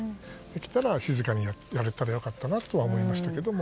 できたら、静かにやれたらよかったなと思いましたが。